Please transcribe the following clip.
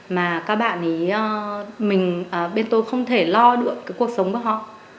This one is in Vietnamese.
mà các bạn thì mình bên tôi không thể lo được cái cuộc sống của họ